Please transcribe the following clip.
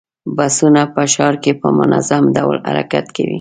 بسونه په ښار کې په منظم ډول حرکت کوي.